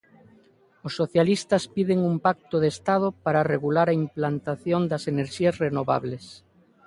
Os socialistas piden un pacto de estado para regular a implantación das enerxías renovables.